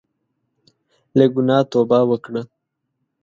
له ګناه توبه وکړه.